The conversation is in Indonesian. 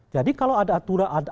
jadi kalau ada aturan ada